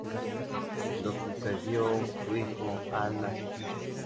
Lo sucedió su hijo Al-Násir.